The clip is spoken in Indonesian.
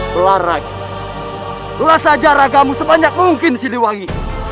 pelaragi belah saja ragamu sebanyak mungkin si lewangi